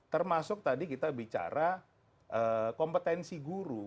termasuk tadi kita bicara kompetensi guru